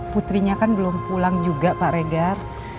putrinya kan belum pulang juga pak regar